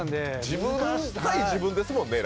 自分対自分ですもんね